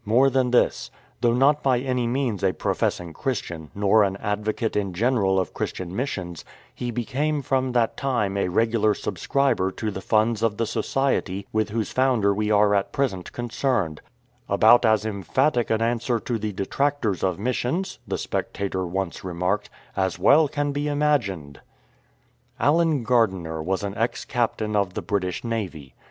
More than this. Though not by any means a professing Christian, nor an advocate in general of Christian missions, he became from that time a regular subscriber to the funds of the society with whose founder we are at present concerned —" about as emphatic an answer to the detractors of missions,'' the Spectator once remarked, " as can well be imagined." Allen Gardiner was an ex captain of the British Navy.